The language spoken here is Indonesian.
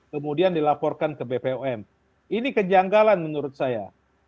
kemudian dilaporkan ke bpom ini kejanggalan menurut saya